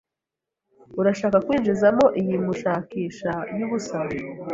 Urashaka kwinjizamo iyi mushakisha yubusa?